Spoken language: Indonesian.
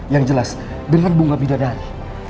yang jelas dengan bunga bidanaan